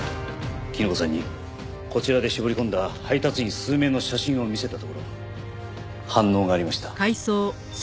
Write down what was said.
絹子さんにこちらで絞り込んだ配達員数名の写真を見せたところ反応がありました。